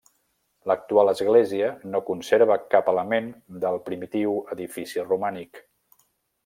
L'actual església no conserva cap element del primitiu edifici romànic.